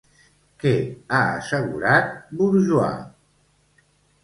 Què ha assegurat Bourgeois?